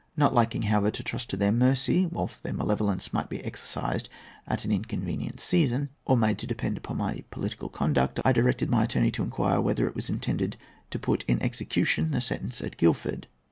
Not liking, however, to trust to their mercy, whilst their malevolence might be exercised at an inconvenient season, or made to depend upon my political conduct, I directed my attorney to inquire whether it was intended to put in execution the sentence at Guildford.